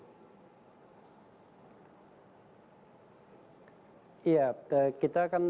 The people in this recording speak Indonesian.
iya kita kan pertama kan kita bicara seandainya ya